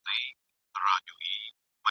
یوه مینه مي په زړه کي یو تندی یوه سجده ده !.